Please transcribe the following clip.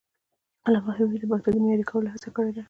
علامه حبيبي د پښتو د معیاري کولو هڅه کړې ده.